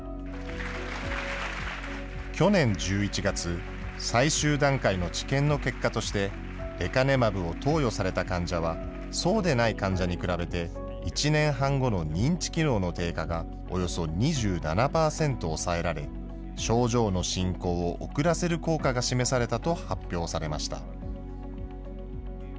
去年１１月、最終段階の治験の結果として、レカネマブを投与された患者は、そうでない患者に比べて、１年半後の認知機能の低下がおよそ２７％抑えられ、症状の進行を遅らせる効果が示されたと発表されました。